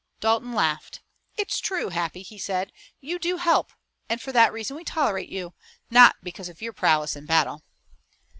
Dalton laughed. "It's true, Happy," he said. "You do help, and for that reason we tolerate you, not because of your prowess in battle."